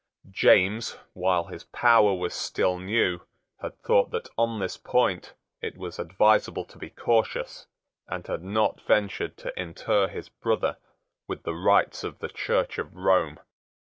James, while his power was still new, had thought that on this point it was advisable to be cautious, and had not ventured to inter his brother with the rites of the Church of Rome.